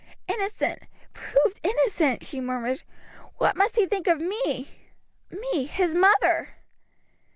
"Innocent! Proved innocent!" she murmured. "What must he think of me me, his mother!"